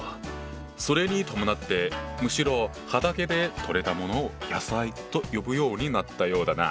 それに伴ってむしろ畑で取れたものを「野菜」と呼ぶようになったようだな。